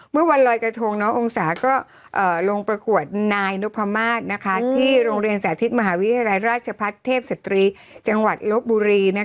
เมื่อวันลอยกระทงน้ององศาก็ลงประกวดนายนพมาศที่โรงเรียนสาธิตมหาวิทยาลัยราชพัฒน์เทพสตรีจังหวัดลบบุรี